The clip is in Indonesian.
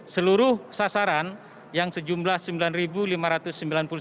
seluruh sasaran yang levullen apa tsenggak muncul sweeteri